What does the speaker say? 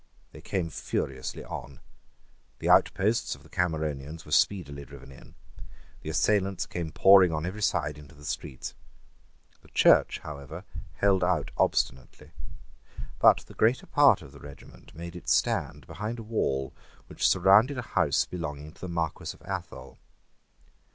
They came furiously on. The outposts of the Cameronians were speedily driven in. The assailants came pouring on every side into the streets. The church, however, held out obstinately. But the greater part of the regiment made its stand behind a wall which surrounded a house belonging to the Marquess of Athol.